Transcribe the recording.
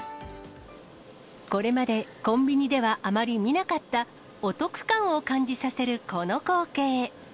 これまでコンビニではあまり見なかった、お得感を感じさせるこの光景。